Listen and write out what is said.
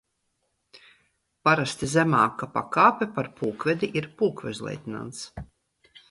Parasti zemāka pakāpe par pulkvedi ir pulkvežleitnants.